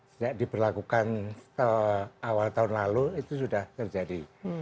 sejak diberlakukan awal tahun lalu itu sudah terjadi